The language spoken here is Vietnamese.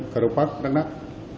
crong park đắk lắc